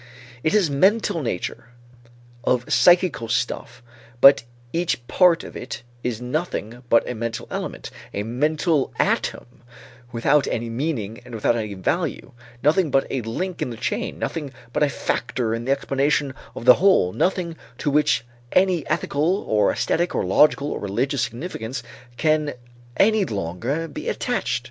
It is mental nature, nature of psychical stuff, but each part of it is nothing but a mental element, a mental atom without any meaning and without any value; nothing but a link in the chain, nothing but a factor in the explanation of the whole, nothing to which any ethical or æsthetic or logical or religious significance can any longer be attached.